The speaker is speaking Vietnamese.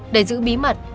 để giữ bí mật